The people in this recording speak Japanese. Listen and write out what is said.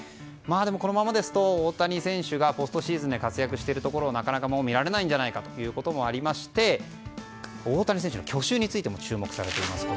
このままですと大谷選手がポストシーズンで活躍しているところをなかなか見られないんじゃないかというのもありまして大谷選手の去就についても注目されています。